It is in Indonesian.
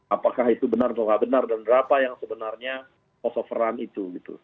apakah itu benar atau nggak benar dan berapa yang sebenarnya kosoferan itu